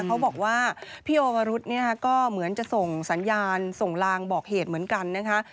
เขาบอกว่าพี่โอวรุษก็เหมือนจะส่งสัญญาณส่งลางบอกเหตุเหมือนกันนะคะ